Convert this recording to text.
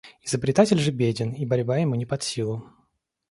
Изобретатель же беден и борьба ему не под силу.